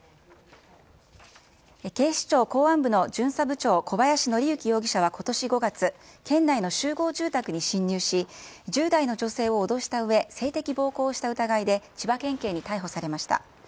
警視庁公安部の巡査部長、小林徳之容疑者はことし５月、県内の集合住宅に侵入し、１０代の女性を脅したうえ、性的暴行をした疑いで、千葉県警に逮捕されました。